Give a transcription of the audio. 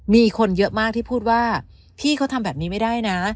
มีคนเยอะมากที่พูดว่าพี่เขาทำแบบนี้ไม่ได้นะ